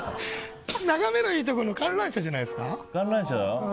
眺めのいいところだと観覧車じゃないですか。